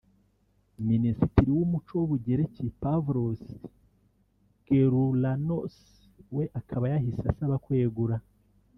Minisitiri w’umuco w’u Bugereki Pavlos Geroulanos we akaba yahise asaba kwegura